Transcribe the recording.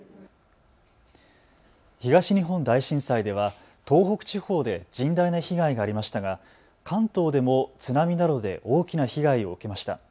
東日本大震災では東北地方で甚大な被害がありましたが関東でも津波などで大きな被害を受けました。